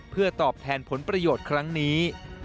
เพื่อตอบแทนผลประโยชน์ครั้งนี้